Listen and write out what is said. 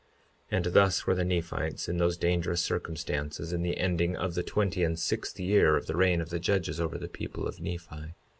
52:14 And thus were the Nephites in those dangerous circumstances in the ending of the twenty and sixth year of the reign of the judges over the people of Nephi.